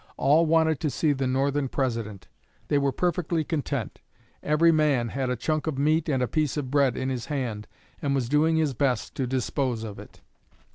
All wanted to see the Northern President. They were perfectly content. Every man had a chunk of meat and a piece of bread in his hand, and was doing his best to dispose of it.